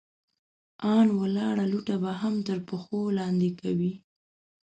ان ولاړه لوټه به هم تر پښو لاندې کوئ!